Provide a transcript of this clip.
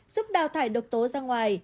giúp đào thải độc tố ra ngoài